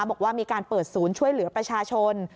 บอกว่ามีการเปิดศูนย์ช่วยเหลือประชาชน